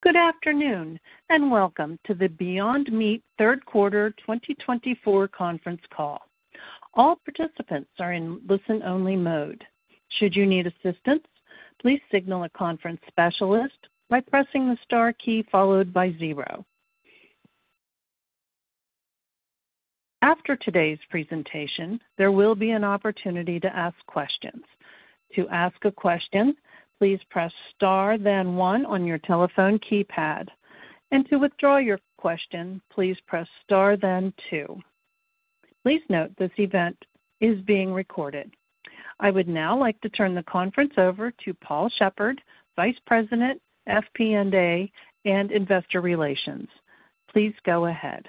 Good afternoon and welcome to the Beyond Meat Third Quarter 2024 Conference Call. All participants are in listen-only mode. Should you need assistance, please signal a conference specialist by pressing the star key followed by zero. After today's presentation, there will be an opportunity to ask questions. To ask a question, please press star, then one on your telephone keypad. And to withdraw your question, please press star, then two. Please note this event is being recorded. I would now like to turn the conference over to Paul Sheppard, Vice President, FP&A, and Investor Relations. Please go ahead.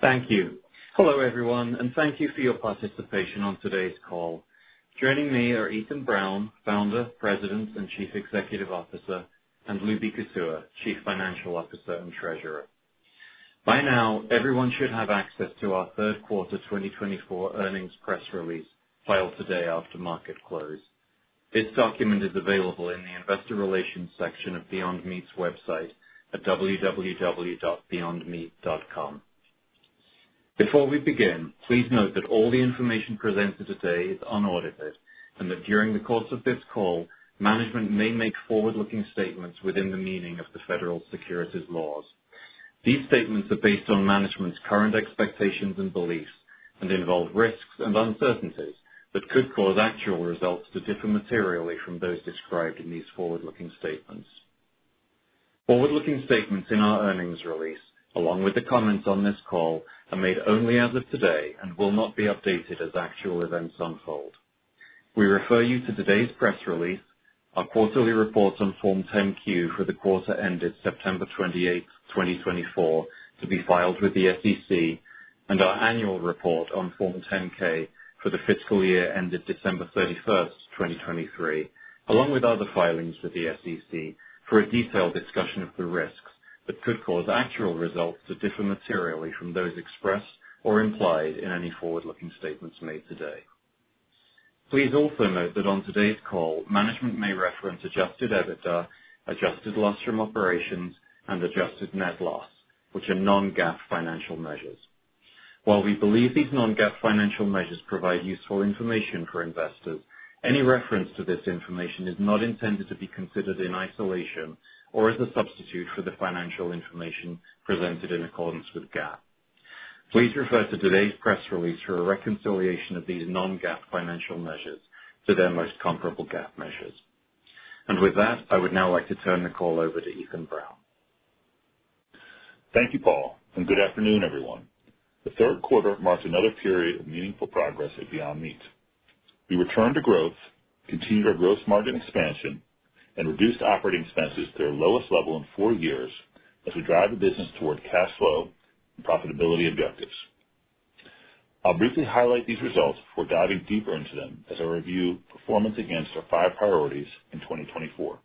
Thank you. Hello, everyone, and thank you for your participation on today's call. Joining me are Ethan Brown, Founder, President, and Chief Executive Officer, and Lubi Kutua, Chief Financial Officer and Treasurer. By now, everyone should have access to our Third Quarter 2024 earnings press release filed today after market close. This document is available in the Investor Relations section of Beyond Meat's website at www.beyondmeat.com. Before we begin, please note that all the information presented today is unaudited and that during the course of this call, management may make forward-looking statements within the meaning of the federal securities laws. These statements are based on management's current expectations and beliefs and involve risks and uncertainties that could cause actual results to differ materially from those described in these forward-looking statements. Forward-looking statements in our earnings release, along with the comments on this call, are made only as of today and will not be updated as actual events unfold. We refer you to today's press release, our quarterly report on Form 10-Q for the quarter ended September 28, 2024, to be filed with the SEC, and our annual report on Form 10-K for the fiscal year ended December 31, 2023, along with other filings with the SEC for a detailed discussion of the risks that could cause actual results to differ materially from those expressed or implied in any forward-looking statements made today. Please also note that on today's call, management may reference Adjusted EBITDA, adjusted loss from operations, and adjusted net loss, which are non-GAAP financial measures. While we believe these non-GAAP financial measures provide useful information for investors, any reference to this information is not intended to be considered in isolation or as a substitute for the financial information presented in accordance with GAAP. Please refer to today's press release for a reconciliation of these non-GAAP financial measures to their most comparable GAAP measures. And with that, I would now like to turn the call over to Ethan Brown. Thank you, Paul, and good afternoon, everyone. The Third Quarter marks another period of meaningful progress at Beyond Meat. We returned to growth, continued our gross margin expansion, and reduced operating expenses to their lowest level in four years as we drive the business toward cash flow and profitability objectives. I'll briefly highlight these results before diving deeper into them as I review performance against our five priorities in 2024.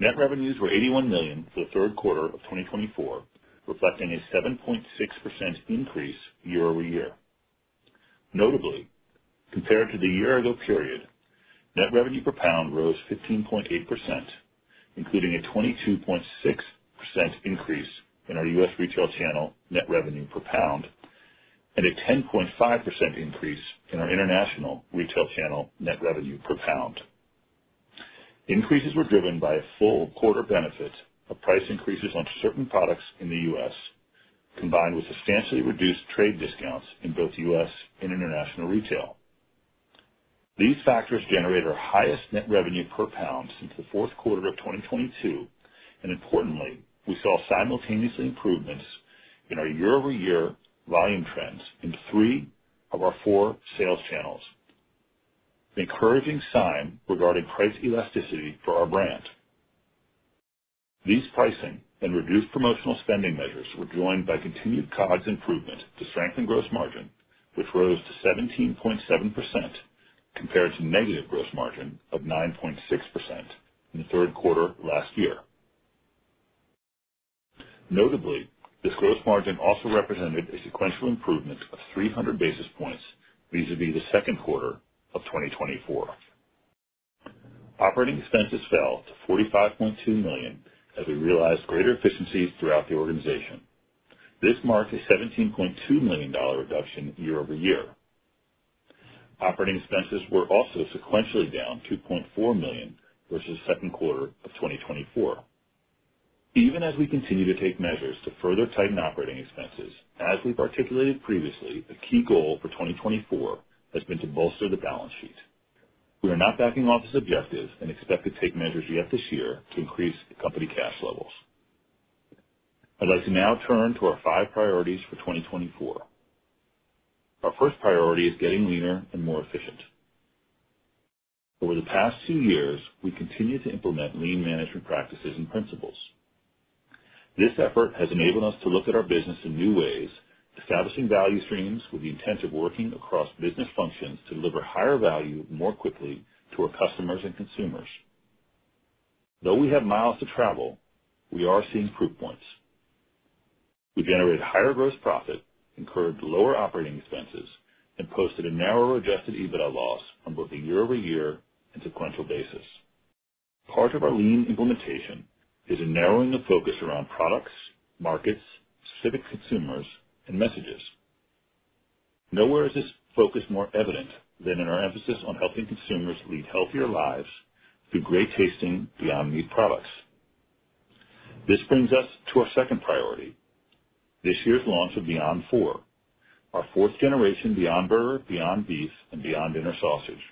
Net revenues were $81 million for the third quarter of 2024, reflecting a 7.6% increase year-over-year. Notably, compared to the year-ago period, net revenue per pound rose 15.8%, including a 22.6% increase in our U.S. retail channel net revenue per pound and a 10.5% increase in our international retail channel net revenue per pound. Increases were driven by a full quarter benefit of price increases on certain products in the U.S., combined with substantially reduced trade discounts in both U.S. And international retail. These factors generate our highest net revenue per pound since the fourth quarter of 2022, and importantly, we saw simultaneous improvements in our year-over-year volume trends in three of our four sales channels, encouraging signs regarding price elasticity for our brand. These pricing and reduced promotional spending measures were joined by continued COGS improvement to strengthen gross margin, which rose to 17.7% compared to negative gross margin of 9.6% in third quarter last year. Notably, this gross margin also represented a sequential improvement of 300 basis points vis-à-vis the second quarter of 2024. Operating expenses fell to $45.2 million as we realized greater efficiencies throughout the organization. This marked a $17.2 million reduction year-over-year. Operating expenses were also sequentially down $2.4 million versus second quarter of 2024. Even as we continue to take measures to further tighten operating expenses, as we've articulated previously, the key goal for 2024 has been to bolster the balance sheet. We are not backing off this objective and expect to take measures yet this year to increase company cash levels. I'd like to now turn to our five priorities for 2024. Our first priority is getting leaner and more efficient. Over the past two years, we've continued to implement lean management practices and principles. This effort has enabled us to look at our business in new ways, establishing value streams with the intent of working across business functions to deliver higher value more quickly to our customers and consumers. Though we have miles to travel, we are seeing proof points. We generated higher gross profit, incurred lower operating expenses, and posted a narrower Adjusted EBITDA loss on both a year-over-year and sequential basis. Part of our lean implementation is in narrowing the focus around products, markets, specific consumers, and messages. Nowhere is this focus more evident than in our emphasis on helping consumers lead healthier lives through great tasting Beyond Meat products. This brings us to our second priority, this year's launch of Beyond IV, our fourth generation Beyond Burger, Beyond Beef, and Beyond Dinner Sausage.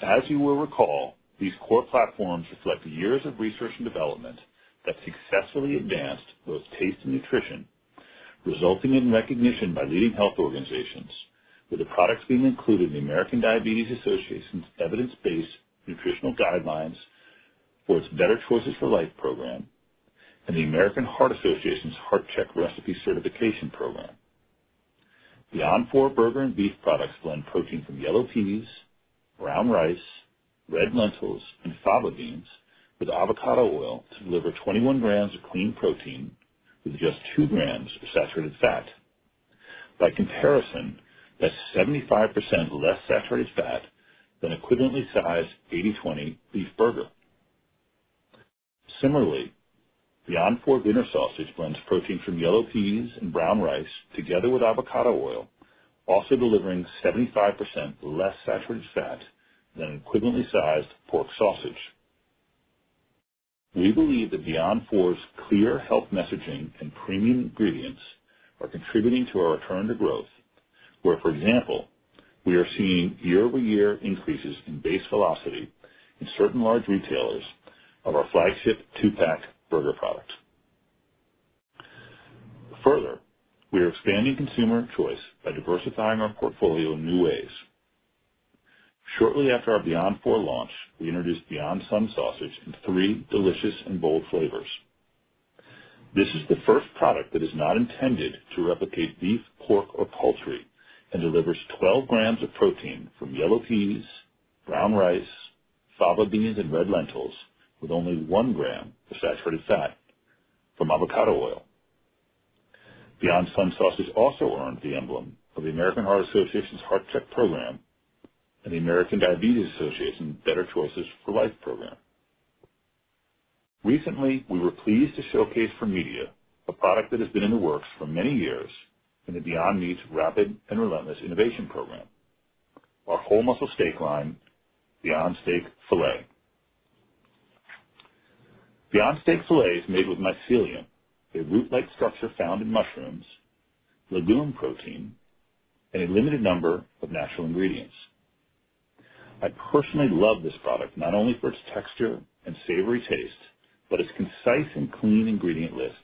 As you will recall, these core platforms reflect years of research and development that successfully advanced both taste and nutrition, resulting in recognition by leading health organizations, with the products being included in the American Diabetes Association's evidence-based nutritional guidelines for its Better Choices for Life program and the American Heart Association's Heart-Check recipe certification program. Beyond IV burger and beef products blend protein from yellow peas, brown rice, red lentils, and fava beans with avocado oil to deliver 21 grams of clean protein with just two grams of saturated fat. By comparison, that's 75% less saturated fat than equivalently sized 80/20 beef burger. Similarly, Beyond IV dinner sausage blends protein from yellow peas and brown rice together with avocado oil, also delivering 75% less saturated fat than equivalently sized pork sausage. We believe that Beyond IV's clear health messaging and premium ingredients are contributing to our return to growth, where, for example, we are seeing year-over-year increases in base velocity in certain large retailers of our flagship two-pack burger product. Further, we are expanding consumer choice by diversifying our portfolio in new ways. Shortly after our Beyond IV launch, we introduced Beyond Sun Sausage in three delicious and bold flavors. This is the first product that is not intended to replicate beef, pork, or poultry and delivers 12 grams of protein from yellow peas, brown rice, fava beans, and red lentils with only one gram of saturated fat from avocado oil. Beyond Sun Sausage also earned the emblem of the American Heart Association's Heart Check program and the American Diabetes Association's Better Choices for Life program. Recently, we were pleased to showcase for media a product that has been in the works for many years in the Beyond Meat's rapid and relentless innovation program, our whole-muscle steak line, Beyond Steak Filet. Beyond Steak Filet is made with mycelium, a root-like structure found in mushrooms, legume protein, and a limited number of natural ingredients. I personally love this product not only for its texture and savory taste, but its concise and clean ingredient list,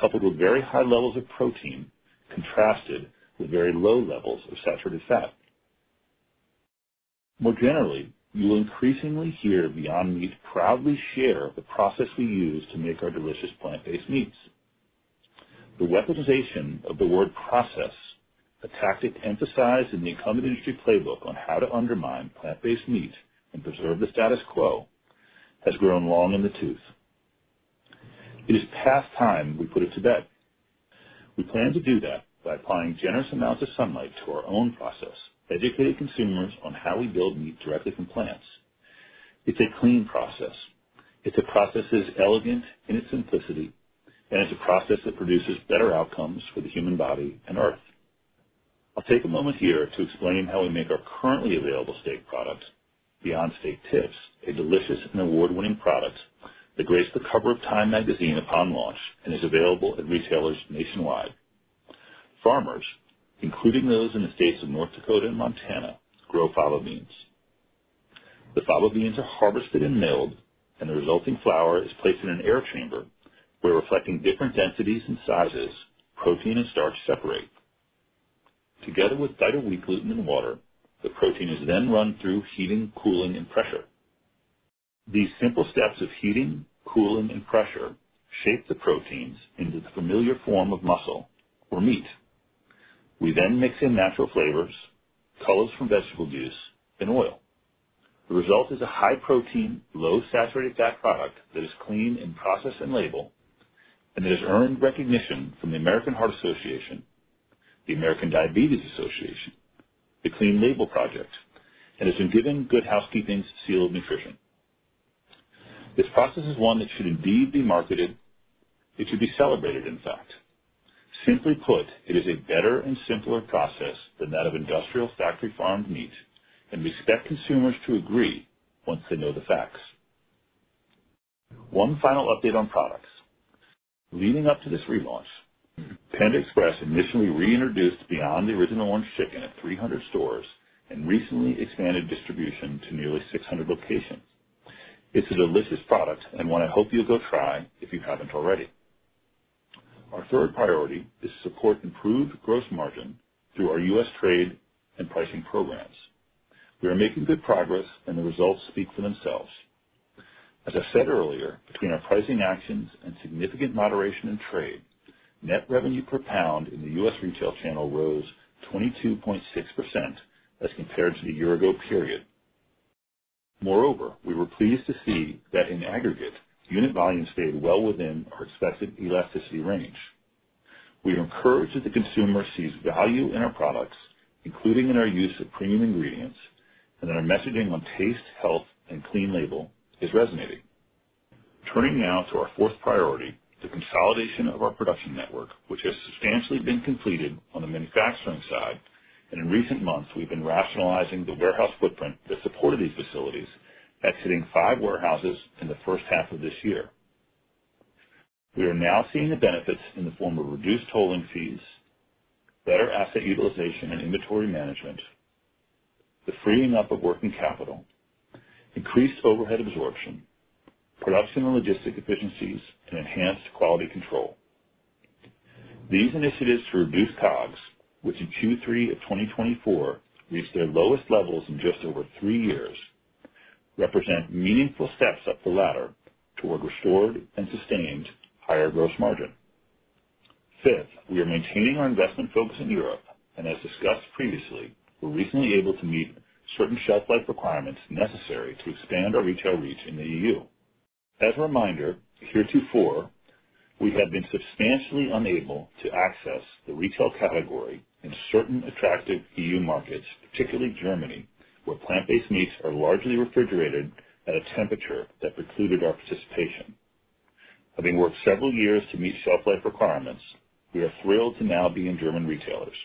coupled with very high levels of protein contrasted with very low levels of saturated fat. More generally, you will increasingly hear Beyond Meat proudly share the process we use to make our delicious plant-based meats. The weaponization of the word process, a tactic emphasized in the incumbent industry playbook on how to undermine plant-based meat and preserve the status quo, has grown long in the tooth. It is past time we put it to bed. We plan to do that by applying generous amounts of sunlight to our own process, educating consumers on how we build meat directly from plants. It's a clean process. It's a process as elegant in its simplicity, and it's a process that produces better outcomes for the human body and earth. I'll take a moment here to explain how we make our currently available steak product, Beyond Steak Tips, a delicious and award-winning product that graced the cover of Time Magazine upon launch and is available at retailers nationwide. Farmers, including those in the states of North Dakota and Montana, grow fava beans. The fava beans are harvested and milled, and the resulting flour is placed in an air chamber where, reflecting different densities and sizes, protein and starch separate. Together with dietary wheat, gluten, and water, the protein is then run through heating, cooling, and pressure. These simple steps of heating, cooling, and pressure shape the proteins into the familiar form of muscle or meat. We then mix in natural flavors, colors from vegetable juice, and oil. The result is a high-protein, low-saturated-fat product that is clean in process and label, and it has earned recognition from the American Heart Association, the American Diabetes Association, the Clean Label Project, and has been given Good Housekeeping's seal of nutrition. This process is one that should indeed be marketed. It should be celebrated, in fact. Simply put, it is a better and simpler process than that of industrial factory-farmed meat, and we expect consumers to agree once they know the facts. One final update on products. Leading up to this relaunch, Panda Express initially reintroduced Beyond The Original Orange Chicken at 300 stores and recently expanded distribution to nearly 600 locations. It's a delicious product and one I hope you'll go try if you haven't already. Our third priority is to support improved gross margin through our U.S. trade and pricing programs. We are making good progress, and the results speak for themselves. As I said earlier, between our pricing actions and significant moderation in trade, net revenue per pound in the U.S. retail channel rose 22.6% as compared to the year-ago period. Moreover, we were pleased to see that in aggregate, unit volumes stayed well within our expected elasticity range. We are encouraged that the consumer sees value in our products, including in our use of premium ingredients, and that our messaging on taste, health, and clean label is resonating. Turning now to our fourth priority, the consolidation of our production network, which has substantially been completed on the manufacturing side, and in recent months, we've been rationalizing the warehouse footprint that supported these facilities, exiting five warehouses in the first half of this year. We are now seeing the benefits in the form of reduced tolling fees, better asset utilization and inventory management, the freeing up of working capital, increased overhead absorption, production and logistics efficiencies, and enhanced quality control. These initiatives to reduce COGS, which in Q3 of 2024 reached their lowest levels in just over three years, represent meaningful steps up the ladder toward restored and sustained higher gross margin. Fifth, we are maintaining our investment focus in Europe, and as discussed previously, we're recently able to meet certain shelf-life requirements necessary to expand our retail reach in the EU. As a reminder, heretofore, we have been substantially unable to access the retail category in certain attractive EU markets, particularly Germany, where plant-based meats are largely refrigerated at a temperature that precluded our participation. Having worked several years to meet shelf-life requirements, we are thrilled to now be in German retailers,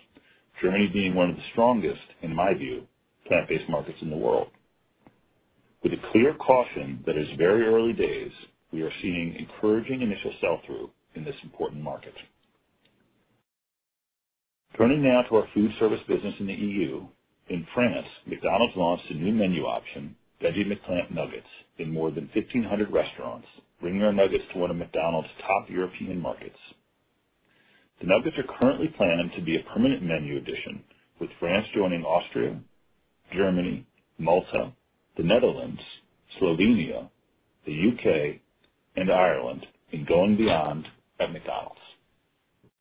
Germany being one of the strongest, in my view, plant-based markets in the world. With a clear caution that it is very early days, we are seeing encouraging initial sell-through in this important market. Turning now to our food service business in the EU, in France, McDonald's launched a new menu option, Veggie McPlant Nuggets, in more than 1,500 restaurants, bringing our nuggets to one of McDonald's top European markets. The nuggets are currently planning to be a permanent menu addition, with France joining Austria, Germany, Malta, the Netherlands, Slovenia, the U.K., and Ireland, and going beyond at McDonald's.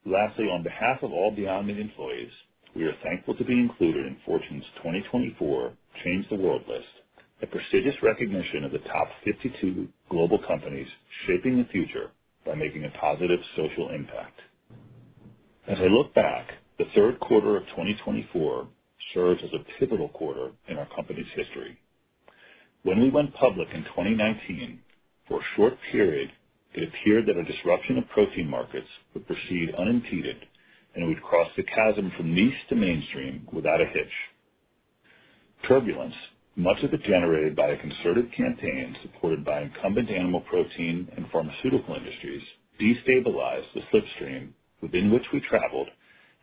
Lastly, on behalf of all Beyond Meat employees, we are thankful to be included in Fortune's 2024 Change the World list, a prestigious recognition of the top 52 global companies shaping the future by making a positive social impact. As I look back, the third quarter of 2024 serves as a pivotal quarter in our company's history. When we went public in 2019, for a short period, it appeared that our disruption of protein markets would proceed unimpeded and would cross the chasm from niche to mainstream without a hitch. Turbulence, much of it generated by a concerted campaign supported by incumbent animal protein and pharmaceutical industries, destabilized the slipstream within which we traveled,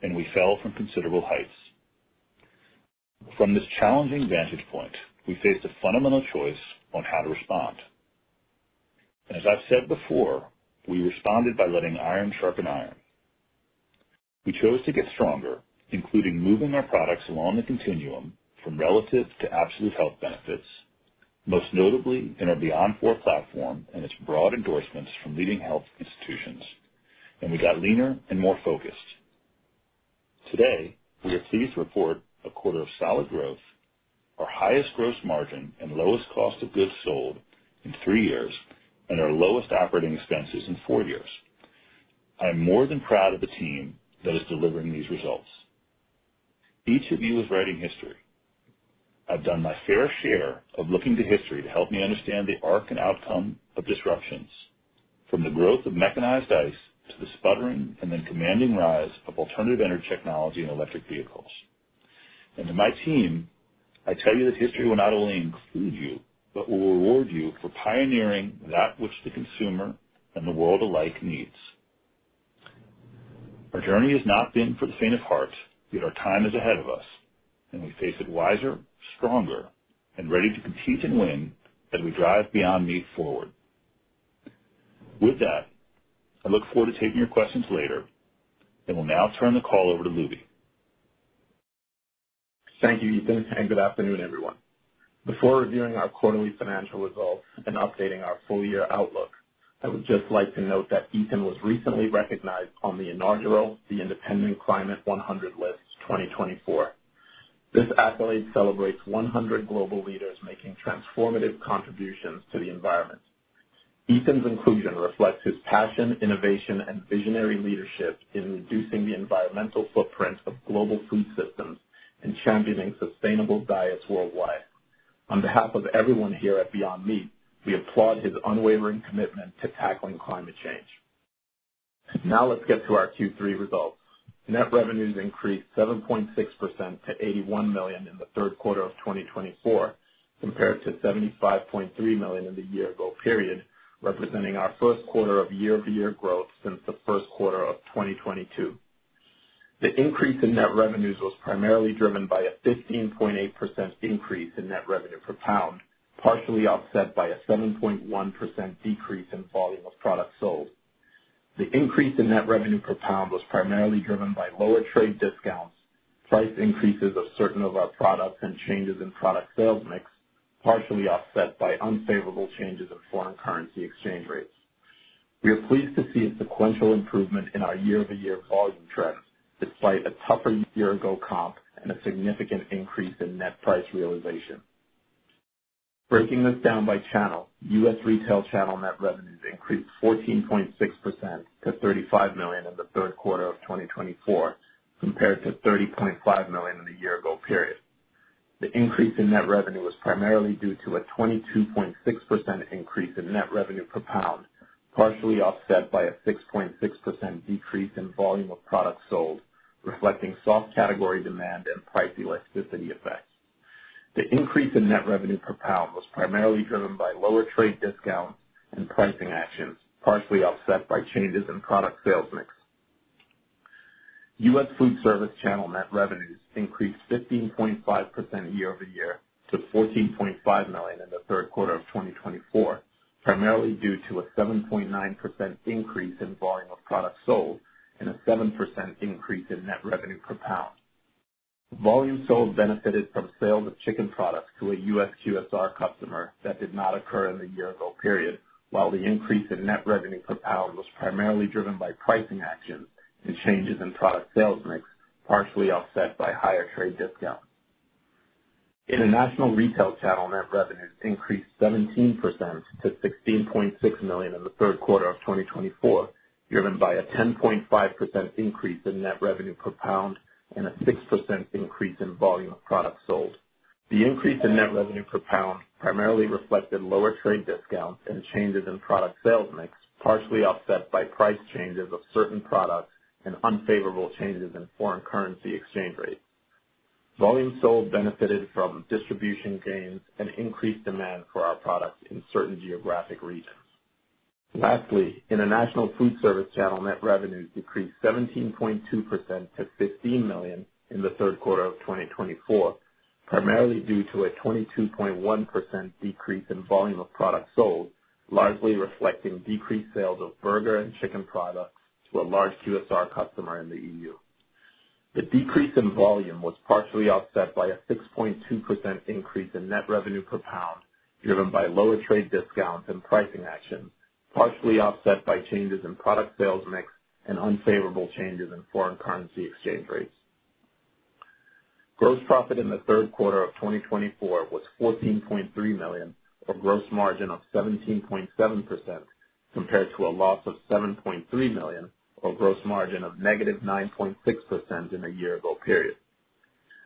and we fell from considerable heights. From this challenging vantage point, we faced a fundamental choice on how to respond. As I've said before, we responded by letting iron sharpen iron. We chose to get stronger, including moving our products along the continuum from relative to absolute health benefits, most notably in our Beyond IV platform and its broad endorsements from leading health institutions, and we got leaner and more focused. Today, we are pleased to report a quarter of solid growth, our highest gross margin, and lowest cost of goods sold in three years, and our lowest operating expenses in four years. I am more than proud of the team that is delivering these results. Each of you is writing history. I've done my fair share of looking to history to help me understand the arc and outcome of disruptions, from the growth of mechanized ice to the sputtering and then commanding rise of alternative energy technology and electric vehicles. And to my team, I tell you that history will not only include you but will reward you for pioneering that which the consumer and the world alike needs. Our journey has not been for the faint of heart, yet our time is ahead of us, and we face it wiser, stronger, and ready to compete and win as we drive Beyond Meat forward. With that, I look forward to taking your questions later, and we'll now turn the call over to Lubi. Thank you, Ethan, and good afternoon, everyone. Before reviewing our quarterly financial results and updating our full-year outlook, I would just like to note that Ethan was recently recognized on the Inaugural The Independent Climate 100 List 2024. This accolade celebrates 100 global leaders making transformative contributions to the environment. Ethan's inclusion reflects his passion, innovation, and visionary leadership in reducing the environmental footprint of global food systems and championing sustainable diets worldwide. On behalf of everyone here at Beyond Meat, we applaud his unwavering commitment to tackling climate change. Now let's get to our Q3 results. Net revenues increased 7.6% to $81 million in the third quarter of 2024 compared to $75.3 million in the year-ago period, representing our first quarter of year-over-year growth since the first quarter of 2022. The increase in net revenues was primarily driven by a 15.8% increase in net revenue per pound, partially offset by a 7.1% decrease in volume of products sold. The increase in net revenue per pound was primarily driven by lower trade discounts, price increases of certain of our products, and changes in product sales mix, partially offset by unfavorable changes in foreign currency exchange rates. We are pleased to see a sequential improvement in our year-over-year volume trends despite a tougher year-ago comp and a significant increase in net price realization. Breaking this down by channel, U.S. retail channel net revenues increased 14.6% to $35 million in the third quarter of 2024 compared to $30.5 million in the year-ago period. The increase in net revenue was primarily due to a 22.6% increase in net revenue per pound, partially offset by a 6.6% decrease in volume of products sold, reflecting soft category demand and price elasticity effects. The increase in net revenue per pound was primarily driven by lower trade discounts and pricing actions, partially offset by changes in product sales mix. U.S. Food service channel net revenues increased 15.5% year-over-year to $14.5 million in the third quarter of 2024, primarily due to a 7.9% increase in volume of products sold and a 7% increase in net revenue per pound. Volume sold benefited from sales of chicken products to a U.S. QSR customer that did not occur in the year-ago period, while the increase in net revenue per pound was primarily driven by pricing actions and changes in product sales mix, partially offset by higher trade discounts. International retail channel net revenues increased 17% to $16.6 million in the third quarter of 2024, driven by a 10.5% increase in net revenue per pound and a 6% increase in volume of products sold. The increase in net revenue per pound primarily reflected lower trade discounts and changes in product sales mix, partially offset by price changes of certain products and unfavorable changes in foreign currency exchange rates. Volume sold benefited from distribution gains and increased demand for our products in certain geographic regions. Lastly, international food service channel net revenues decreased 17.2% to $15 million in the third quarter of 2024, primarily due to a 22.1% decrease in volume of products sold, largely reflecting decreased sales of burger and chicken products to a large QSR customer in the EU. The decrease in volume was partially offset by a 6.2% increase in net revenue per pound, driven by lower trade discounts and pricing actions, partially offset by changes in product sales mix and unfavorable changes in foreign currency exchange rates. Gross profit in the third quarter of 2024 was $14.3 million, or gross margin of 17.7%, compared to a loss of $7.3 million, or gross margin of negative 9.6% in the year-ago period.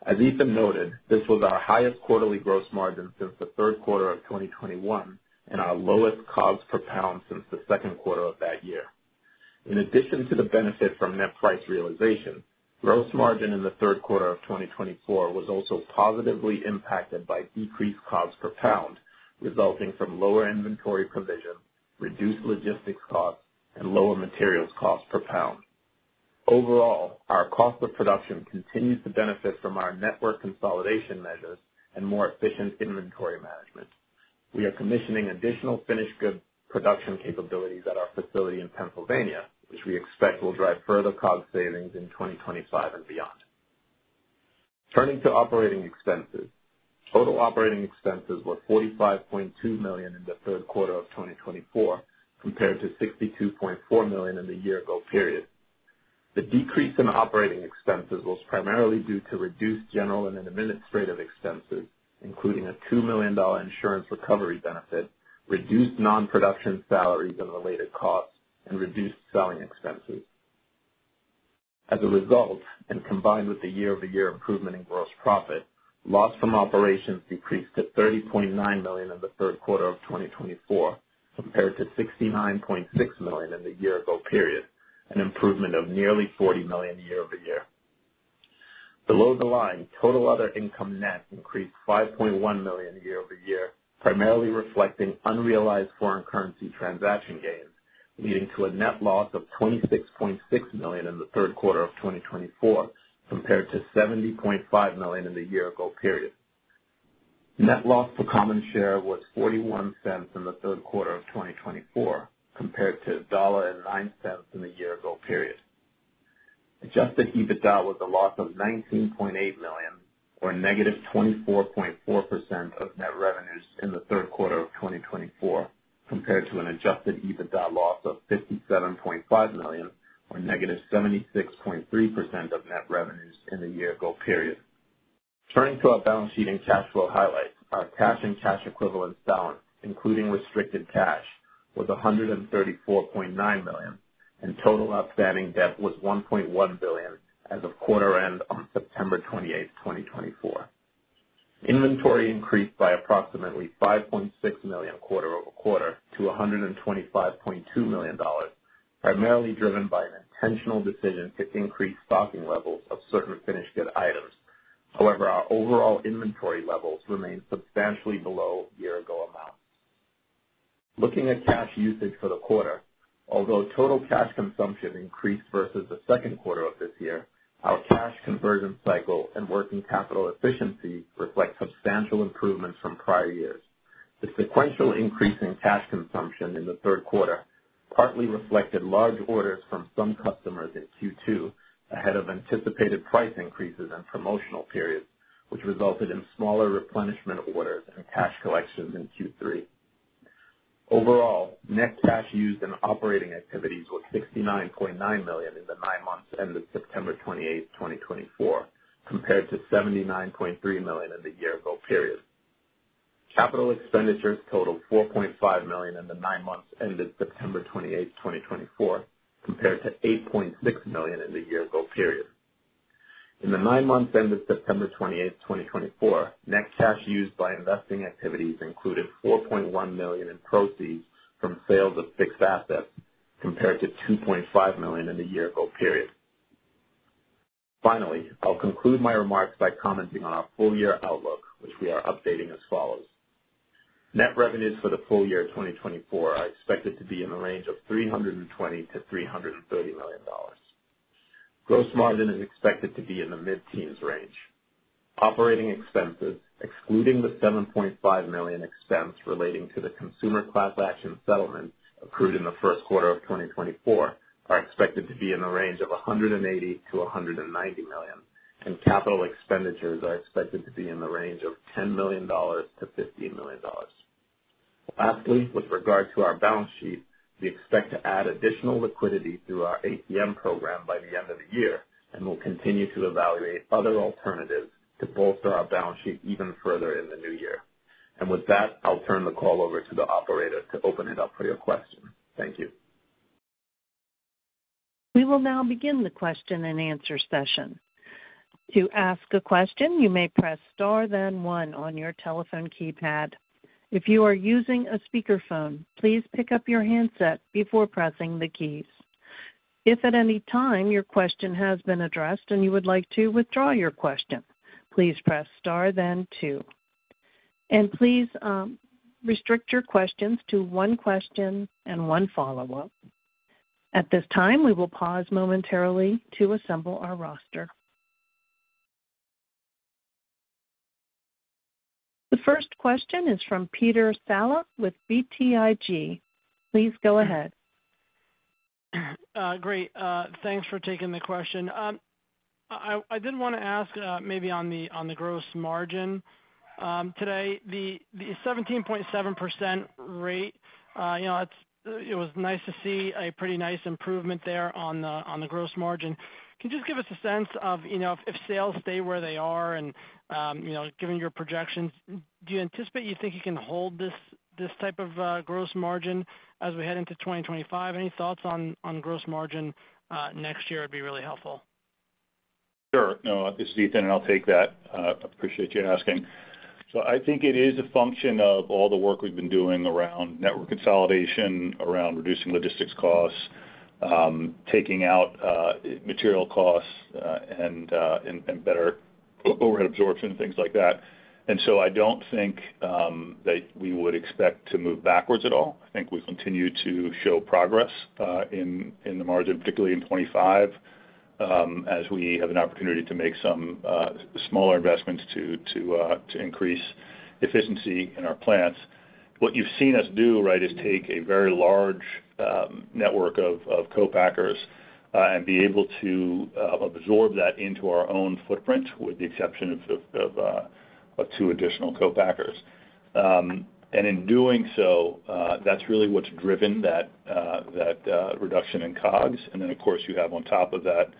As Ethan noted, this was our highest quarterly gross margin since the third quarter of 2021 and our lowest COGS per pound since the Q2 of that year. In addition to the benefit from net price realization, gross margin in the third quarter of 2024 was also positively impacted by decreased COGS per pound, resulting from lower inventory provision, reduced logistics costs, and lower materials costs per pound. Overall, our cost of production continues to benefit from our network consolidation measures and more efficient inventory management. We are commissioning additional finished goods production capabilities at our facility in Pennsylvania, which we expect will drive further COGS savings in 2025 and beyond. Turning to operating expenses, total operating expenses were $45.2 million in the third quarter of 2024 compared to $62.4 million in the year-ago period. The decrease in operating expenses was primarily due to reduced general and administrative expenses, including a $2 million insurance recovery benefit, reduced non-production salaries and related costs, and reduced selling expenses. As a result, and combined with the year-over-year improvement in gross profit, loss from operations decreased to $30.9 million in the third quarter of 2024 compared to $69.6 million in the year-ago period, an improvement of nearly $40 million year-over-year. Below the line, total other income net increased $5.1 million year-over-year, primarily reflecting unrealized foreign currency transaction gains, leading to a net loss of $26.6 million in the third quarter of 2024 compared to $70.5 million in the year-ago period. Net loss per common share was $0.41 in the third quarter of 2024 compared to $1.09 in the year-ago period. Adjusted EBITDA was a loss of $19.8 million, or negative 24.4% of net revenues in the third quarter of 2024, compared to an adjusted EBITDA loss of $57.5 million, or negative 76.3% of net revenues in the year-ago period. Turning to our balance sheet and cash flow highlights, our cash and cash equivalent balance, including restricted cash, was $134.9 million, and total outstanding debt was $1.1 billion as of quarter end on September 28, 2024. Inventory increased by approximately $5.6 million quarter-over-quarter to $125.2 million, primarily driven by an intentional decision to increase stocking levels of certain finished good items. However, our overall inventory levels remain substantially below year-ago amounts. Looking at cash usage for the quarter, although total cash consumption increased versus the second quarter of this year, our cash conversion cycle and working capital efficiency reflect substantial improvements from prior years. The sequential increase in cash consumption in the third quarter partly reflected large orders from some customers in Q2 ahead of anticipated price increases and promotional periods, which resulted in smaller replenishment orders and cash collections in Q3. Overall, net cash used in operating activities was $69.9 million in the nine months ended September 28, 2024, compared to $79.3 million in the year-ago period. Capital expenditures totaled $4.5 million in the nine months ended September 28, 2024, compared to $8.6 million in the year-ago period. In the nine months ended September 28, 2024, net cash used by investing activities included $4.1 million in proceeds from sales of fixed assets, compared to $2.5 million in the year-ago period. Finally, I'll conclude my remarks by commenting on our full-year outlook, which we are updating as follows. Net revenues for the full year 2024 are expected to be in the range of $320 million-$330 million. Gross margin is expected to be in the mid-teens range. Operating expenses, excluding the $7.5 million expense relating to the consumer class action settlement accrued in the first quarter of 2024, are expected to be in the range of $180 million-$190 million, and capital expenditures are expected to be in the range of $10 million-$15 million. Lastly, with regard to our balance sheet, we expect to add additional liquidity through our ATM program by the end of the year and will continue to evaluate other alternatives to bolster our balance sheet even further in the new year. And with that, I'll turn the call over to the operator to open it up for your questions. Thank you. We will now begin the question and answer session. To ask a question, you may press star, then one on your telephone keypad. If you are using a speakerphone, please pick up your handset before pressing the keys. If at any time your question has been addressed and you would like to withdraw your question, please press star, then two. And please restrict your questions to one question and one follow-up. At this time, we will pause momentarily to assemble our roster. The first question is from Peter Saleh with BTIG. Please go ahead. Great. Thanks for taking the question. I did want to ask maybe on the gross margin. Today, the 17.7% rate, it was nice to see a pretty nice improvement there on the gross margin. Can you just give us a sense of if sales stay where they are and given your projections, do you anticipate you think you can hold this type of gross margin as we head into 2025? Any thoughts on gross margin next year would be really helpful. Sure. No, this is Ethan, and I'll take that. I appreciate you asking. So I think it is a function of all the work we've been doing around network consolidation, around reducing logistics costs, taking out material costs, and better overhead absorption, things like that. And so I don't think that we would expect to move backwards at all. I think we continue to show progress in the margin, particularly in 2025, as we have an opportunity to make some smaller investments to increase efficiency in our plants. What you've seen us do is take a very large network of co-packers and be able to absorb that into our own footprint, with the exception of two additional co-packers. And in doing so, that's really what's driven that reduction in COGS. And then, of course, you have on top of that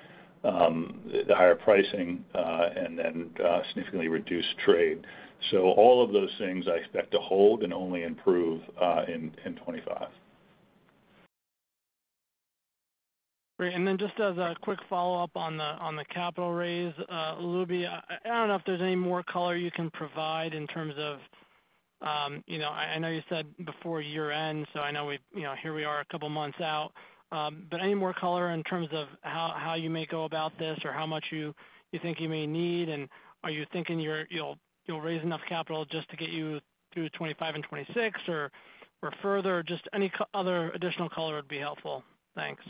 the higher pricing and then significantly reduced trade. So all of those things I expect to hold and only improve in 2025. Great. And then just as a quick follow-up on the capital raise, Lubi, I don't know if there's any more color you can provide in terms of I know you said before year-end, so I know here we are a couple of months out. But any more color in terms of how you may go about this or how much you think you may need? Are you thinking you'll raise enough capital just to get you through 2025 and 2026 or further? Just any other additional color would be helpful. Thanks.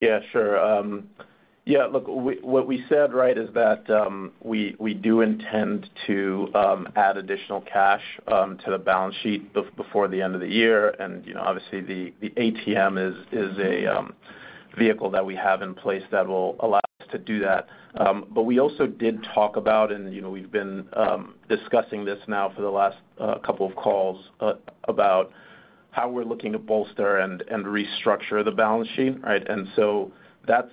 Yeah, sure. Yeah. Look, what we said is that we do intend to add additional cash to the balance sheet before the end of the year. And obviously, the ATM is a vehicle that we have in place that will allow us to do that. But we also did talk about, and we've been discussing this now for the last couple of calls, about how we're looking to bolster and restructure the balance sheet. And so that's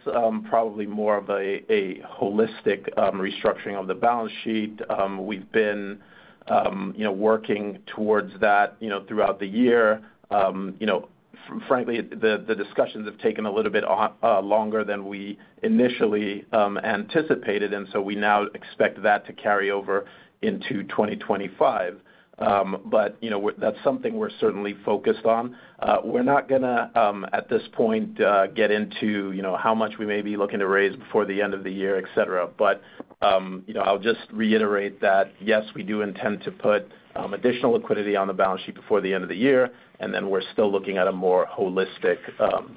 probably more of a holistic restructuring of the balance sheet. We've been working towards that throughout the year. Frankly, the discussions have taken a little bit longer than we initially anticipated, and so we now expect that to carry over into 2025. But that's something we're certainly focused on. We're not going to, at this point, get into how much we may be looking to raise before the end of the year, etc. But I'll just reiterate that, yes, we do intend to put additional liquidity on the balance sheet before the end of the year, and then we're still looking at a more holistic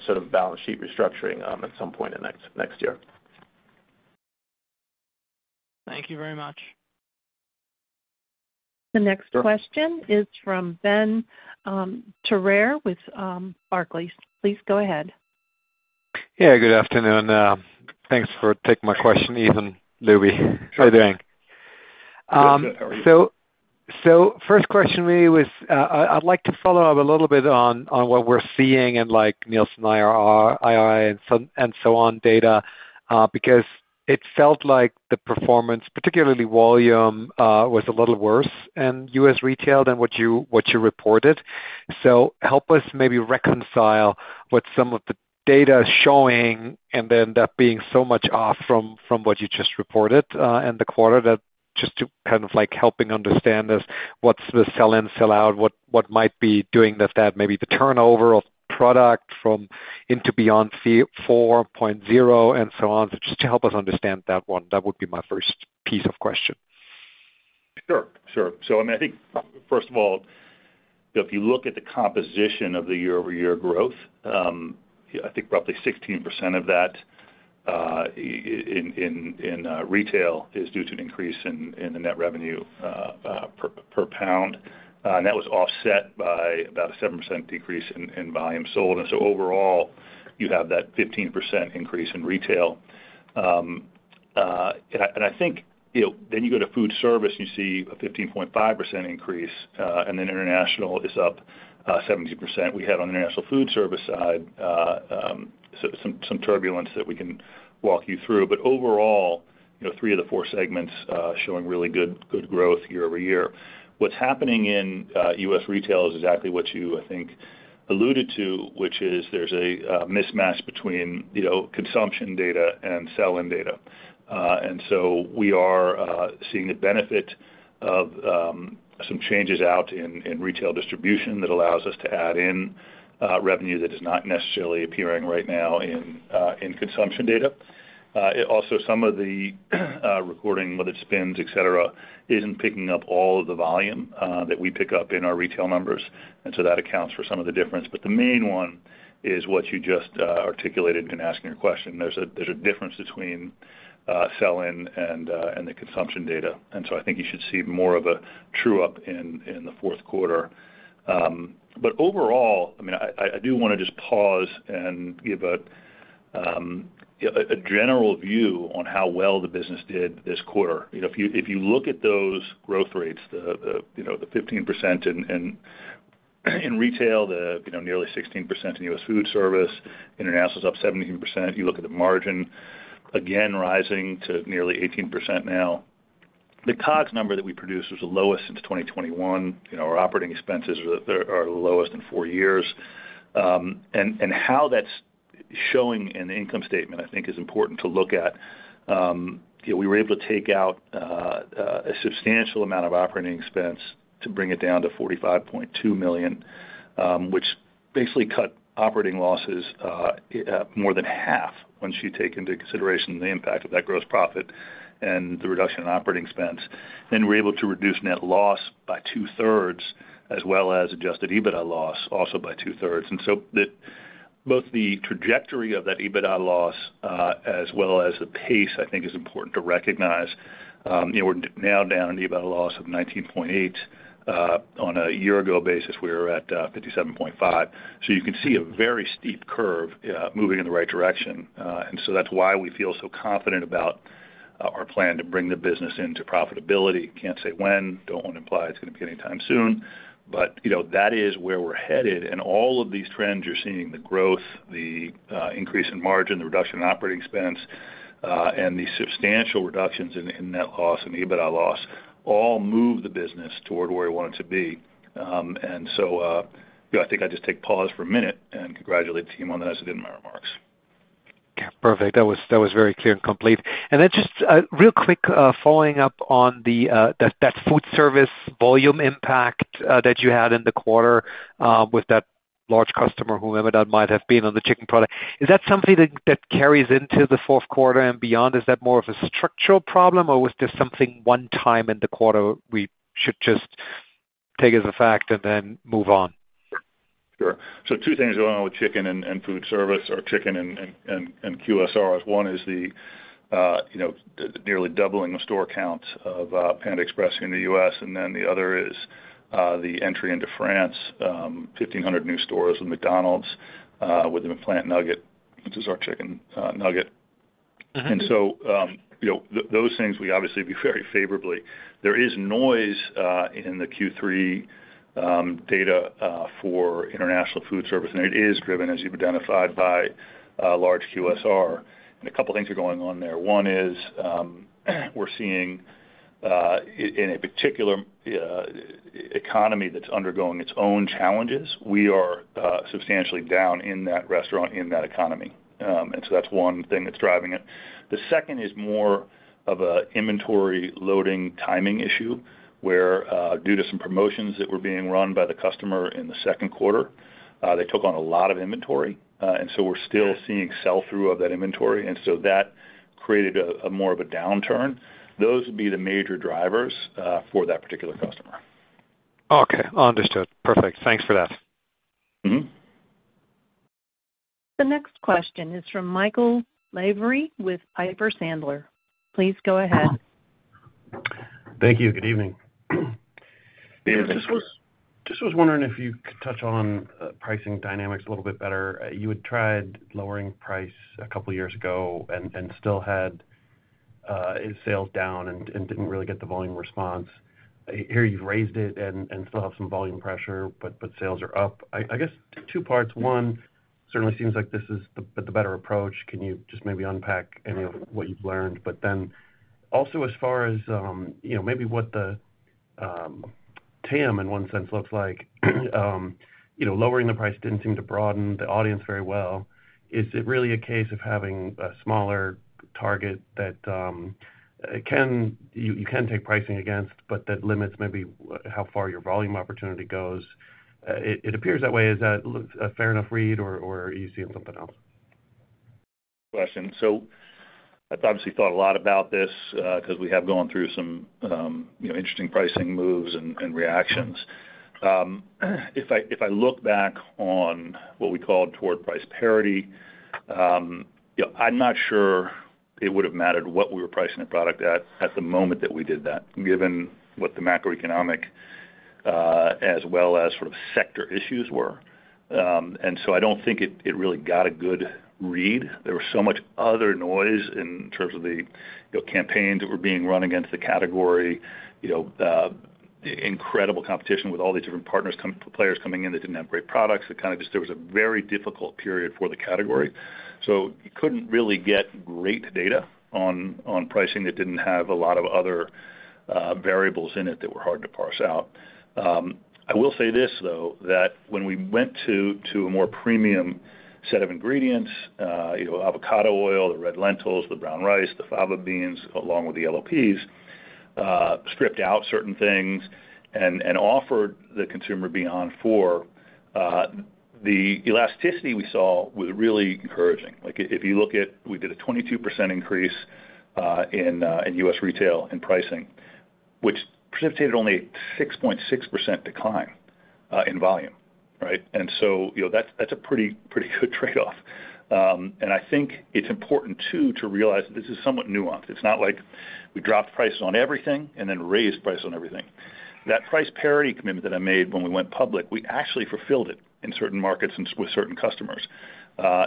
sort of balance sheet restructuring at some point next year. Thank you very much. The next question is from Ben Theurer with Barclays. Please go ahead. Yeah. Good afternoon. Thanks for taking my question, Ethan. Lubi, how are you doing? Good. How are you? So first question really was I'd like to follow up a little bit on what we're seeing in Nielsen IRI and so on data because it felt like the performance, particularly volume, was a little worse in U.S. retail than what you reported. So help us maybe reconcile what some of the data is showing and then that being so much off from what you just reported in the quarter, that just to kind of helping understand this, what's the sell-in, sell-out, what might be doing that, maybe the turnover of product from into Beyond 4.0 and so on, just to help us understand that one. That would be my first piece of question. Sure. Sure. So I mean, I think, first of all, if you look at the composition of the year-over-year growth, I think roughly 16% of that in retail is due to an increase in the net revenue per pound. And that was offset by about a 7% decrease in volume sold. And so overall, you have that 15% increase in retail. I think then you go to food service, you see a 15.5% increase, and then international is up 17%. We had on the international food service side some turbulence that we can walk you through. But overall, three of the four segments showing really good growth year-over-year. What's happening in U.S. retail is exactly what you, I think, alluded to, which is there's a mismatch between consumption data and sell-in data. And so we are seeing the benefit of some changes out in retail distribution that allows us to add in revenue that is not necessarily appearing right now in consumption data. Also, some of the recording, whether it's spends, etc., isn't picking up all of the volume that we pick up in our retail numbers. And so that accounts for some of the difference. But the main one is what you just articulated in asking your question. There's a difference between sell-in and the consumption data, and so I think you should see more of a true-up in the fourth quarter, but overall, I mean, I do want to just pause and give a general view on how well the business did this quarter. If you look at those growth rates, the 15% in retail, the nearly 16% in U.S. food service, international is up 17%. You look at the margin, again, rising to nearly 18% now. The COGS number that we produced was the lowest since 2021. Our operating expenses are the lowest in four years, and how that's showing in the income statement, I think, is important to look at. We were able to take out a substantial amount of operating expense to bring it down to $45.2 million, which basically cut operating losses more than half once you take into consideration the impact of that gross profit and the reduction in operating expense. Then we were able to reduce net loss by two-thirds, as well as Adjusted EBITDA loss also by two-thirds. And so both the trajectory of that EBITDA loss as well as the pace, I think, is important to recognize. We're now down an EBITDA loss of $19.8 million. On a year-ago basis, we were at $57.5 million. So you can see a very steep curve moving in the right direction. And so that's why we feel so confident about our plan to bring the business into profitability. Can't say when. Don't want to imply it's going to be anytime soon. But that is where we're headed. And all of these trends you're seeing, the growth, the increase in margin, the reduction in operating expense, and the substantial reductions in net loss and EBITDA loss all moved the business toward where we want it to be. And so I think I just take pause for a minute and congratulate the team on that as I did in my remarks. Perfect. That was very clear and complete. And then just real quick following up on that food service volume impact that you had in the quarter with that large customer whomever that might have been on the chicken product. Is that something that carries into the fourth quarter and beyond? Is that more of a structural problem, or was this something one time in the quarter we should just take as a fact and then move on? Sure. So two things going on with chicken and food service or chicken and QSRs. One is the nearly doubling of store counts of Panda Express in the U.S. And then the other is the entry into France, 1,500 new stores with McDonald's with the McPlant Nugget, which is our chicken nugget. And so those things we obviously view very favorably. There is noise in the Q3 data for international food service, and it is driven, as you've identified, by large QSR. And a couple of things are going on there. One is we're seeing in a particular economy that's undergoing its own challenges, we are substantially down in that restaurant in that economy. And so that's one thing that's driving it. The second is more of an inventory loading timing issue where, due to some promotions that were being run by the customer in the second quarter, they took on a lot of inventory. And so we're still seeing sell-through of that inventory. And so that created more of a downturn. Those would be the major drivers for that particular customer. Okay. Understood. Perfect. Thanks for that. The next question is from Michael Lavery with Piper Sandler. Please go ahead. Thank you. Good evening. I was wondering if you could touch on pricing dynamics a little bit better. You had tried lowering price a couple of years ago and still had sales down and didn't really get the volume response. Here you've raised it and still have some volume pressure, but sales are up. I guess two parts. One, certainly seems like this is the better approach. Can you just maybe unpack any of what you've learned? But then also as far as maybe what the TAM in one sense looks like, lowering the price didn't seem to broaden the audience very well. Is it really a case of having a smaller target that you can take pricing against, but that limits maybe how far your volume opportunity goes? It appears that way. Is that a fair enough read, or are you seeing something else? Good question. So I've obviously thought a lot about this because we have gone through some interesting pricing moves and reactions. If I look back on what we called toward price parity, I'm not sure it would have mattered what we were pricing the product at at the moment that we did that, given what the macroeconomic as well as sort of sector issues were. I don't think it really got a good read. There was so much other noise in terms of the campaigns that were being run against the category, incredible competition with all these different players coming in that didn't have great products. There was a very difficult period for the category. You couldn't really get great data on pricing that didn't have a lot of other variables in it that were hard to parse out. I will say this, though, that when we went to a more premium set of ingredients, avocado oil, the red lentils, the brown rice, the fava beans, along with the yellow peas, stripped out certain things and offered the consumer Beyond IV, the elasticity we saw was really encouraging. If you look at, we did a 22% increase in U.S. retail in pricing, which precipitated only a 6.6% decline in volume. And so that's a pretty good trade-off. And I think it's important, too, to realize that this is somewhat nuanced. It's not like we dropped prices on everything and then raised prices on everything. That price parity commitment that I made when we went public, we actually fulfilled it in certain markets and with certain customers.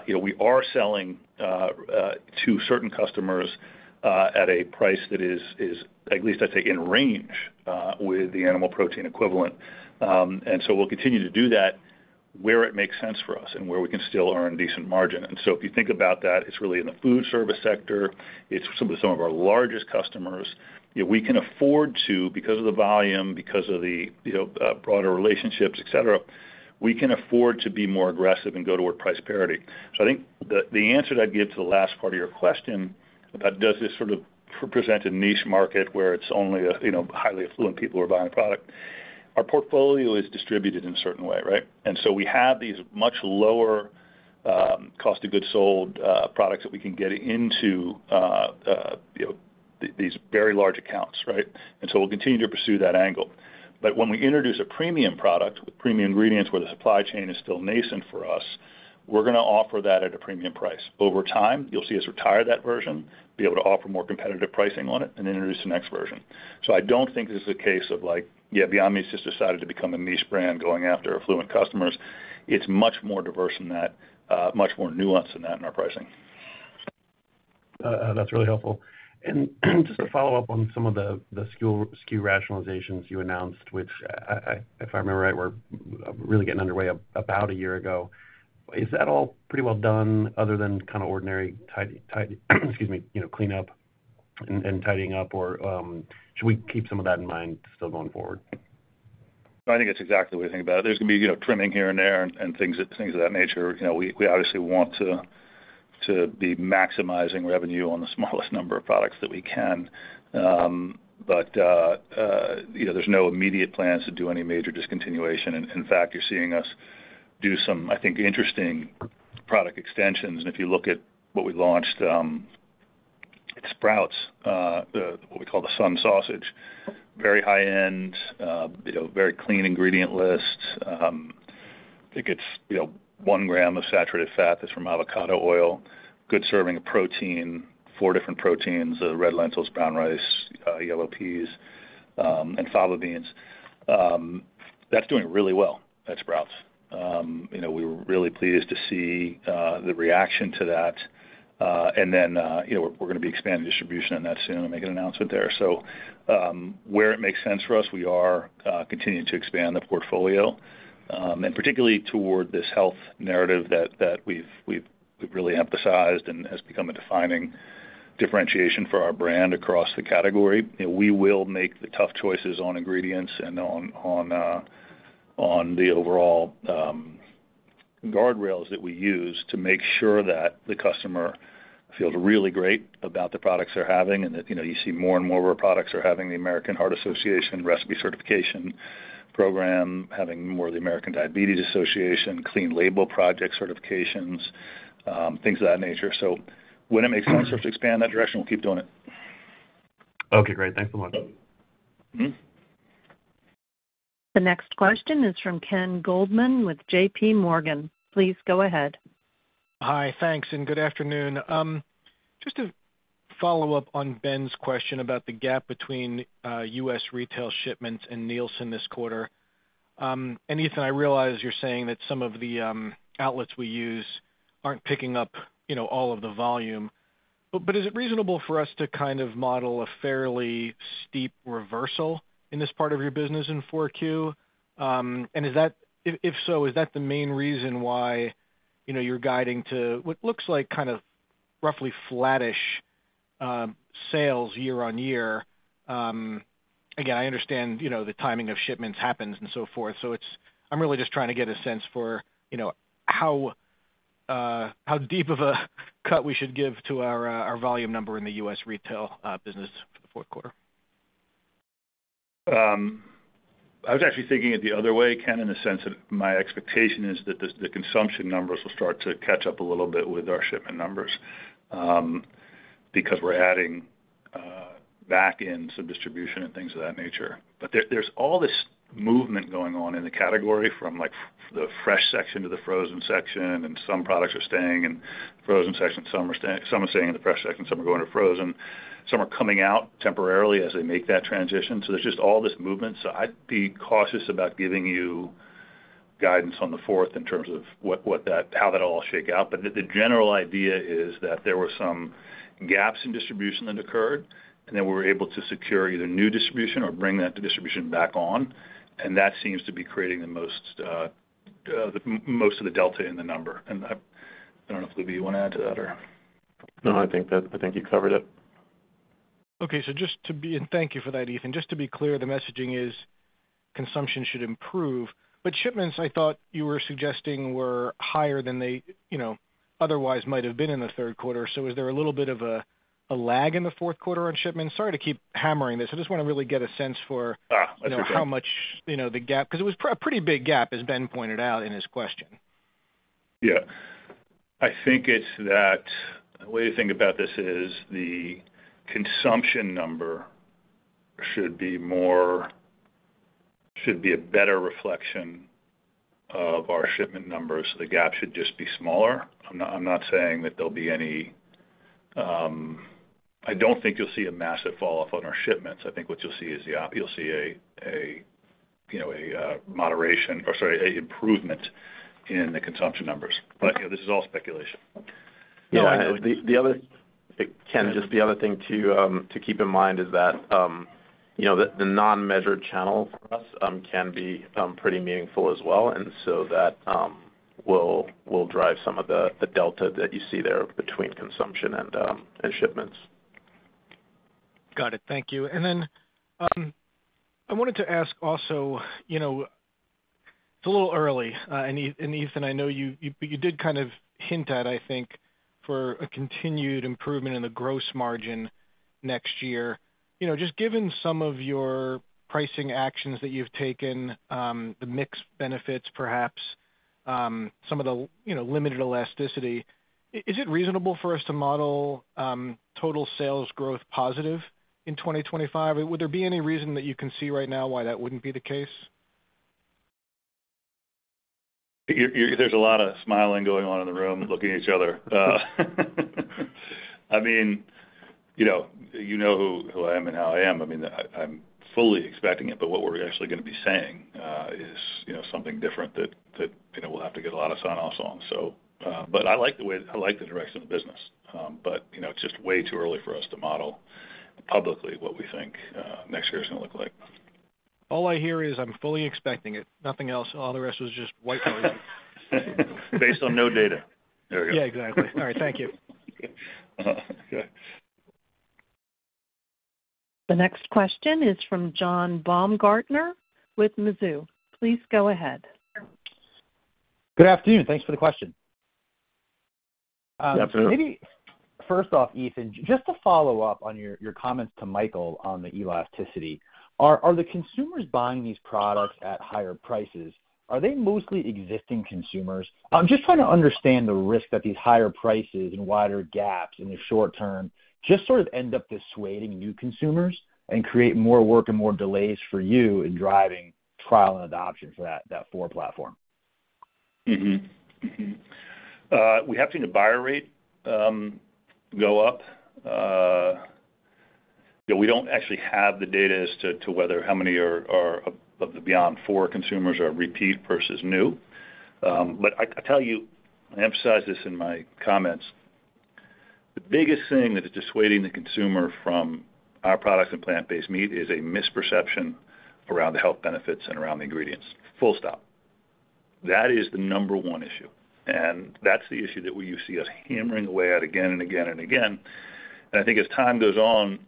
We are selling to certain customers at a price that is, at least I'd say, in range with the animal protein equivalent. And so we'll continue to do that where it makes sense for us and where we can still earn a decent margin. And so if you think about that, it's really in the food service sector. It's some of our largest customers. We can afford to, because of the volume, because of the broader relationships, etc., we can afford to be more aggressive and go toward price parity. So I think the answer that I'd give to the last part of your question about does this sort of represent a niche market where it's only highly affluent people who are buying the product, our portfolio is distributed in a certain way. And so we have these much lower cost of goods sold products that we can get into these very large accounts. And so we'll continue to pursue that angle. But when we introduce a premium product with premium ingredients where the supply chain is still nascent for us, we're going to offer that at a premium price. Over time, you'll see us retire that version, be able to offer more competitive pricing on it, and then introduce the next version. So I don't think this is a case of, yeah, Beyond Meat just decided to become a niche brand going after affluent customers. It's much more diverse than that, much more nuanced than that in our pricing. That's really helpful. And just to follow up on some of the skew rationalizations you announced, which, if I remember right, were really getting underway about a year ago. Is that all pretty well done other than kind of ordinary tidy, excuse me, cleanup and tidying up? Or should we keep some of that in mind still going forward? I think it's exactly what you're thinking about. There's going to be trimming here and there and things of that nature. We obviously want to be maximizing revenue on the smallest number of products that we can. But there's no immediate plans to do any major discontinuation. In fact, you're seeing us do some, I think, interesting product extensions. And if you look at what we launched, it's Sprouts, what we call the Sun Sausage. Very high-end, very clean ingredient list. I think it's one gram of saturated fat that's from avocado oil, good serving of protein, four different proteins, red lentils, brown rice, yellow peas, and fava beans. That's doing really well at Sprouts. We were really pleased to see the reaction to that. And then we're going to be expanding distribution on that soon and make an announcement there. So where it makes sense for us, we are continuing to expand the portfolio, and particularly toward this health narrative that we've really emphasized and has become a defining differentiation for our brand across the category. We will make the tough choices on ingredients and on the overall guardrails that we use to make sure that the customer feels really great about the products they're having and that you see more and more of our products are having the American Heart Association recipe certification program, having more of the American Diabetes Association, Clean Label Project certifications, things of that nature. So when it makes sense to expand that direction, we'll keep doing it. Okay. Great. Thanks so much. The next question is from Ken Goldman with JPMorgan. Please go ahead. Hi. Thanks, and good afternoon. Just to follow up on Ben's question about the gap between U.S. retail shipments and Nielsen this quarter, and Ethan, I realize you're saying that some of the outlets we use aren't picking up all of the volume. But is it reasonable for us to kind of model a fairly steep reversal in this part of your business in Q4? And if so, is that the main reason why you're guiding to what looks like kind of roughly flattish sales year on year? Again, I understand the timing of shipments happens and so forth. So I'm really just trying to get a sense for how deep of a cut we should give to our volume number in the U.S. retail business for the fourth quarter. I was actually thinking it the other way, Ken, in the sense that my expectation is that the consumption numbers will start to catch up a little bit with our shipment numbers because we're adding back-end sub-distribution and things of that nature. But there's all this movement going on in the category from the fresh section to the frozen section, and some products are staying in the frozen section. Some are staying in the fresh section. Some are going to frozen. Some are coming out temporarily as they make that transition. So there's just all this movement. So I'd be cautious about giving you guidance on the fourth in terms of how that all will shake out. But the general idea is that there were some gaps in distribution that occurred, and then we were able to secure either new distribution or bring that distribution back on. And that seems to be creating the most of the delta in the number. And I don't know if Lubi you want to add to that or. No, I think you covered it. Okay. So just to be and thank you for that, Ethan. Just to be clear, the messaging is consumption should improve. But shipments, I thought you were suggesting were higher than they otherwise might have been in the third quarter. So was there a little bit of a lag in the fourth quarter on shipments? Sorry to keep hammering this. I just want to really get a sense for how much the gap, because it was a pretty big gap, as Ben pointed out in his question. Yeah. I think it's that the way to think about this is the consumption number should be a better reflection of our shipment numbers. The gap should just be smaller. I'm not saying that there'll be any. I don't think you'll see a massive fall off on our shipments. I think what you'll see is you'll see a moderation or, sorry, an improvement in the consumption numbers. But this is all speculation. The other thing, Ken, just the other thing to keep in mind is that the non-measured channel for us can be pretty meaningful as well. And so that will drive some of the delta that you see there between consumption and shipments. Got it. Thank you. And then I wanted to ask also, it's a little early. And Ethan, I know you did kind of hint at, I think, for a continued improvement in the gross margin next year. Just given some of your pricing actions that you've taken, the mix benefits, perhaps, some of the limited elasticity, is it reasonable for us to model total sales growth positive in 2025? Would there be any reason that you can see right now why that wouldn't be the case? There's a lot of smiling going on in the room looking at each other. I mean, you know who I am and how I am. I mean, I'm fully expecting it. But what we're actually going to be saying is something different that we'll have to get a lot of sun also on. But I like the way I like the direction of the business. But it's just way too early for us to model publicly what we think next year is going to look like. All I hear is, "I'm fully expecting it." Nothing else. All the rest was just white noise. Based on no data. There we go. Yeah, exactly. All right. Thank you. The next question is from John Baumgartner with Mizuho. Please go ahead. Good afternoon. Thanks for the question. Absolutely. Maybe first off, Ethan, just to follow up on your comments to Michael on the elasticity, are the consumers buying these products at higher prices, are they mostly existing consumers? I'm just trying to understand the risk that these higher prices and wider gaps in the short term just sort of end up dissuading new consumers and create more work and more delays for you in driving trial and adoption for that Beyond IV platform. We have seen the buyer rate go up. We don't actually have the data as to how many of the Beyond IV consumers are repeat versus new. But I tell you, I emphasize this in my comments, the biggest thing that is dissuading the consumer from our products and plant-based meat is a misperception around the health benefits and around the ingredients. Full stop. That is the number one issue. And that's the issue that we see us hammering away at again and again and again. And I think as time goes on,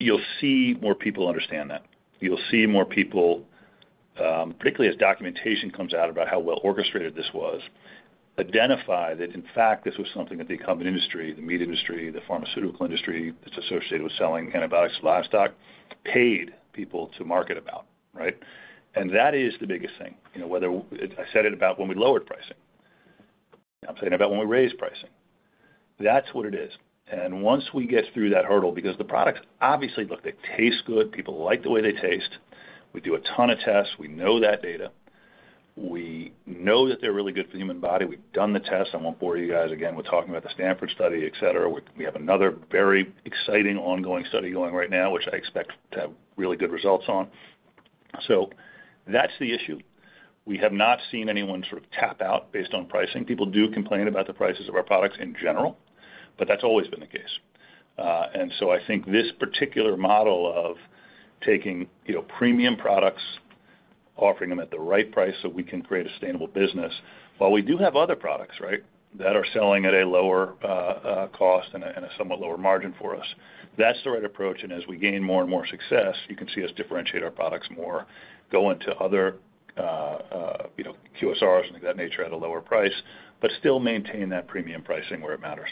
you'll see more people understand that. You'll see more people, particularly as documentation comes out about how well orchestrated this was, identify that, in fact, this was something that the incumbent industry, the meat industry, the pharmaceutical industry that's associated with selling antibiotics to livestock paid people to market about. And that is the biggest thing. I said it about when we lowered pricing. I'm saying about when we raised pricing. That's what it is. And once we get through that hurdle, because the products obviously look, they taste good. People like the way they taste. We do a ton of tests. We know that data. We know that they're really good for the human body. We've done the tests. I won't bore you guys again. We're talking about the Stanford study, etc. We have another very exciting ongoing study going right now, which I expect to have really good results on. So that's the issue. We have not seen anyone sort of tap out based on pricing. People do complain about the prices of our products in general, but that's always been the case. And so I think this particular model of taking premium products, offering them at the right price so we can create a sustainable business, while we do have other products that are selling at a lower cost and a somewhat lower margin for us, that's the right approach. And as we gain more and more success, you can see us differentiate our products more, go into other QSRs and that nature at a lower price, but still maintain that premium pricing where it matters.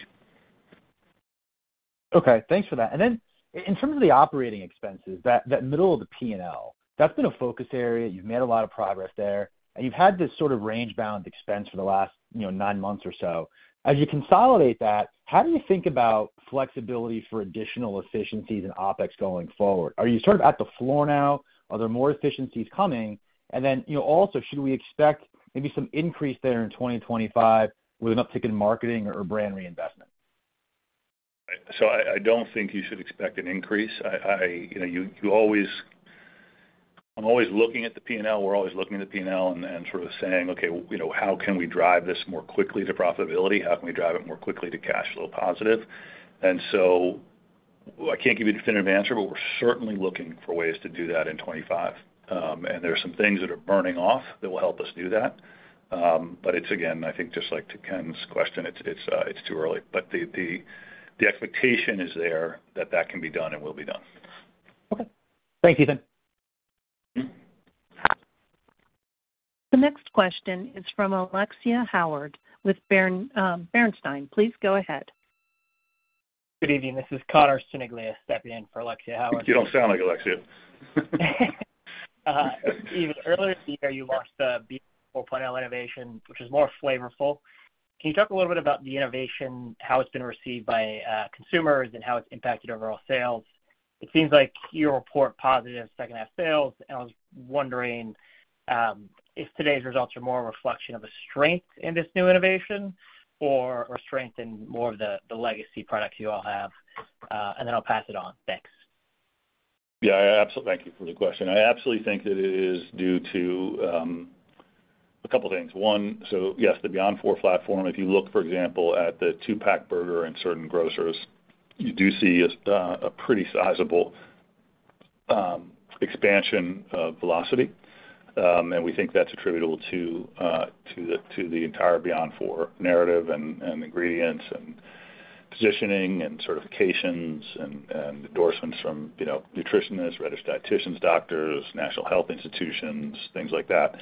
Okay. Thanks for that. And then in terms of the operating expenses, that middle of the P&L, that's been a focus area. You've made a lot of progress there. And you've had this sort of range-bound expense for the last nine months or so. As you consolidate that, how do you think about flexibility for additional efficiencies and opex going forward? Are you sort of at the floor now? Are there more efficiencies coming? And then also, should we expect maybe some increase there in 2025 with an uptick in marketing or brand reinvestment? So I don't think you should expect an increase. I'm always looking at the P&L. We're always looking at the P&L and sort of saying, "Okay, how can we drive this more quickly to profitability? How can we drive it more quickly to cash flow positive?" And so I can't give you a definitive answer, but we're certainly looking for ways to do that in 2025. And there are some things that are burning off that will help us do that. But it's, again, I think just like to Ken's question, it's too early. But the expectation is there that that can be done and will be done. Okay. Thanks, Ethan. The next question is from Alexia Howard with Bernstein. Please go ahead. Good evening. This is Connor Cerniglia stepping in for Alexia Howard. You don't sound like Alexia. Ethan, earlier this year, you launched the Beyond IV platform innovation, which is more flavorful. Can you talk a little bit about the innovation, how it's been received by consumers, and how it's impacted overall sales? It seems like you're reporting positive second-half sales. And I was wondering if today's results are more a reflection of a strength in this new innovation or a strength in more of the legacy products you all have. And then I'll pass it on. Thanks. Yeah. Absolutely. Thank you for the question. I absolutely think that it is due to a couple of things. One, so yes, the Beyond IV platform, if you look, for example, at the two-pack burger in certain grocers, you do see a pretty sizable expansion of velocity. And we think that's attributable to the entire Beyond IV narrative and ingredients and positioning and certifications and endorsements from nutritionists, registered dietitians, doctors, national health institutions, things like that.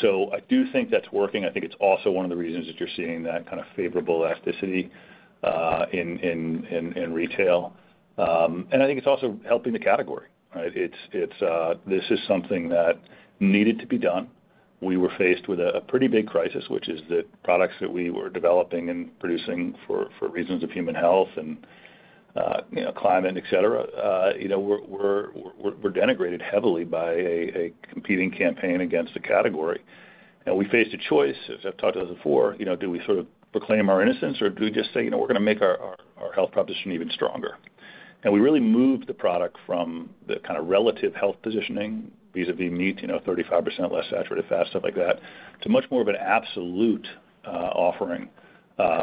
So I do think that's working. I think it's also one of the reasons that you're seeing that kind of favorable elasticity in retail. And I think it's also helping the category. This is something that needed to be done. We were faced with a pretty big crisis, which is that products that we were developing and producing for reasons of human health and climate, etc., were denigrated heavily by a competing campaign against the category, and we faced a choice. As I've talked to those before, do we sort of proclaim our innocence, or do we just say, "We're going to make our health proposition even stronger?" We really moved the product from the kind of relative health positioning vis-à-vis meat, 35% less saturated fat, stuff like that, to much more of an absolute offering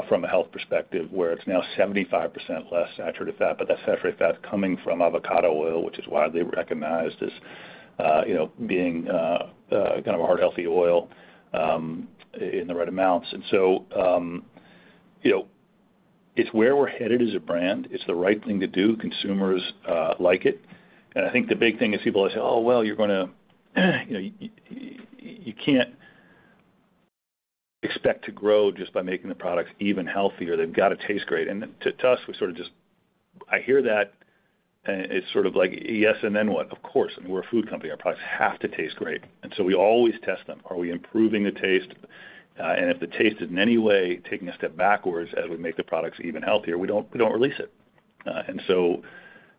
from a health perspective where it's now 75% less saturated fat, but that saturated fat's coming from avocado oil, which is widely recognized as being kind of a heart-healthy oil in the right amounts, and so it's where we're headed as a brand. It's the right thing to do. Consumers like it. And I think the big thing is people always say, "Oh, well, you're going to—you can't expect to grow just by making the products even healthier. They've got to taste great." And to us, we sort of just—I hear that, and it's sort of like, "Yes, and then what?" Of course. I mean, we're a food company. Our products have to taste great. And so we always test them. Are we improving the taste? And if the taste is in any way taking a step backwards as we make the products even healthier, we don't release it. And so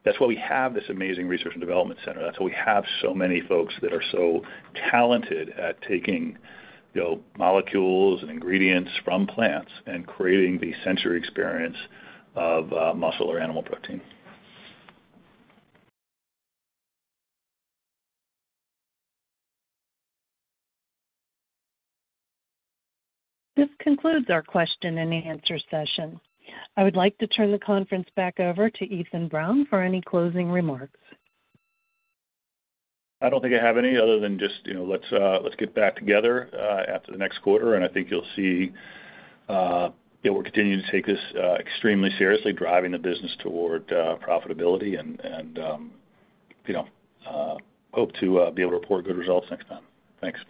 that's why we have this amazing research and development center. That's why we have so many folks that are so talented at taking molecules and ingredients from plants and creating the sensory experience of muscle or animal protein. This concludes our question and answer session. I would like to turn the conference back over to Ethan Brown for any closing remarks. I don't think I have any other than just let's get back together after the next quarter, and I think you'll see we're continuing to take this extremely seriously, driving the business toward profitability and hope to be able to report good results next time. Thanks.